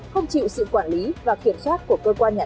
không chịu sự quản lý và kiểm soát của cơ quan nhà nước